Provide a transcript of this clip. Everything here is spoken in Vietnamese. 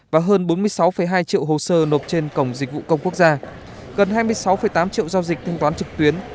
và hơn bốn mươi sáu hai triệu hồ sơ nộp trên cổng dịch vụ công quốc gia gần hai mươi sáu tám triệu giao dịch thanh toán trực tuyến